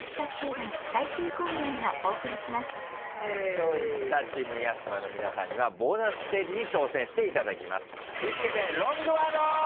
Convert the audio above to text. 勝利したチーム八嶋の皆さんにはボーナスステージに挑戦していただきます。